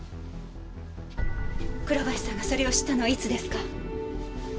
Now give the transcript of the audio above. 倉林さんがそれを知ったのはいつですか？